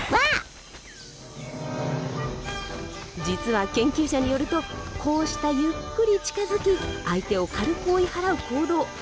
実は研究者によるとこうしたゆっくり近づき相手を軽く追い払う行動。